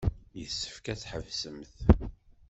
Yessefk ad tḥebsemt.